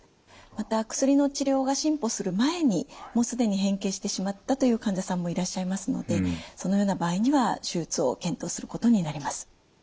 また薬の治療が進歩する前にもうすでに変形してしまったという患者さんもいらっしゃいますのでそのような場合には手術を検討することになります。